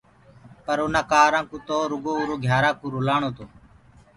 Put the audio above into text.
پر اُنآ ڪآرآ ڪوُ تو روگو اُرو گھيارا ڪوُ رلآڻو تو۔